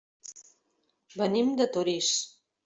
Venim de Torís.